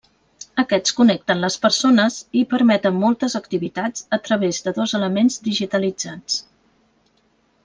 Aquests connecten les persones i permeten moltes activitats a través de dos elements digitalitzats.